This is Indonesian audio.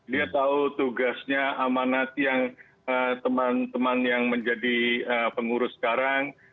dia tahu tugasnya amanat yang teman teman yang menjadi pengurus sekarang